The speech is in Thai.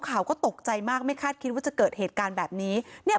ข่าวก็ตกใจมากไม่คาดคิดว่าจะเกิดเหตุการณ์แบบนี้เนี่ย